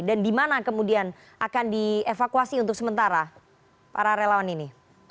dan di mana kemudian akan dievakuasi untuk sementara para relawan ini